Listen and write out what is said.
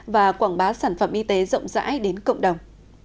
và quảng bá sản phẩm y tế rộng rãi đến cộng đồng